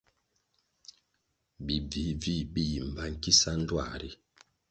Bi bvih-bvih bi yi mbpa nkisa ndtuā ri.